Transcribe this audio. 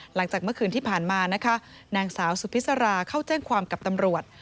หลังจากเมื่อคืนที่ผ่านมานะคะนางสาวสุพิษราเข้าแจ้งความกับตำรวจ